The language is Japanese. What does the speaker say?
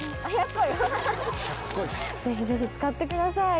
ぜひぜひ使ってください。